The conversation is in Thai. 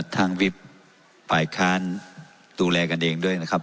ทางวิพยาภายคาดูแลกันเองด้วยนะครับ